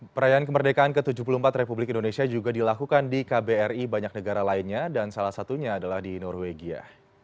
perayaan kemerdekaan ke tujuh puluh empat republik indonesia juga dilakukan di kbri banyak negara lainnya dan salah satunya adalah di norwegia